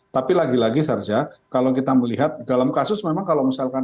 tapi lagi lagi sarja kalau kita melihat dalam kasus memang kalau misalkan